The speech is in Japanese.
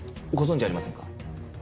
ご存じありませんか？